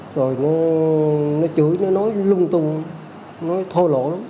rồi nó chửi nó nói lung tung nói thô lỗ